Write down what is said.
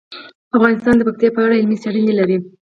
افغانستان د پکتیکا په اړه علمي څېړنې لري.